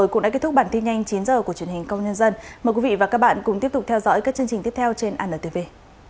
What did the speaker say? các bạn hãy đăng ký kênh để ủng hộ kênh của chúng mình nhé